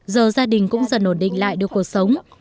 giờ gia đình cũng dần ổn định lại được cuộc sống